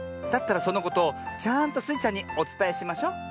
だったらそのことをちゃんとスイちゃんにおつたえしましょ。